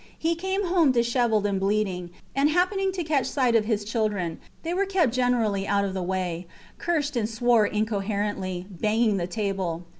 He came home dishevelled and bleeding, and happening to catch sight of his children (they were kept generally out of the way), cursed and swore incoherently, banging the table.